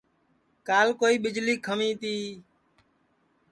کال کوئی ٻیݪی کھنٚوی تی